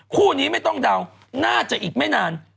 คู่นี้ไม่ต้องเดาน่าจะอีกไม่นาน